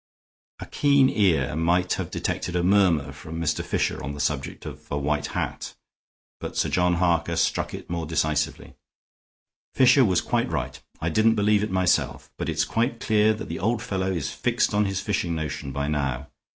A keen ear might have detected a murmur from Mr. Fisher on the subject of a white hat, but Sir John Harker struck it more decisively: "Fisher was quite right. I didn't believe it myself, but it's quite clear that the old fellow is fixed on this fishing notion by now.